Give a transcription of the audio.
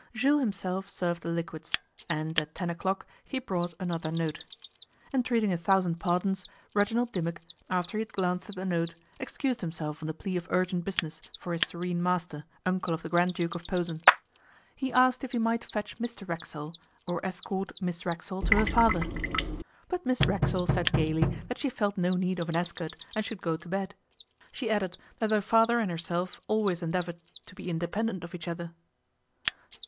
Jules himself served the liquids, and at ten o'clock he brought another note. Entreating a thousand pardons, Reginald Dimmock, after he had glanced at the note, excused himself on the plea of urgent business for his Serene master, uncle of the Grand Duke of Posen. He asked if he might fetch Mr Racksole, or escort Miss Racksole to her father. But Miss Racksole said gaily that she felt no need of an escort, and should go to bed. She added that her father and herself always endeavoured to be independent of each other.